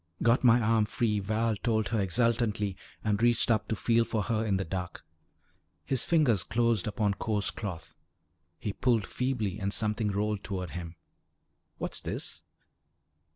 "Got my arm free," Val told her exultantly and reached up to feel for her in the dark. His fingers closed upon coarse cloth. He pulled feebly and something rolled toward him. "What's this?"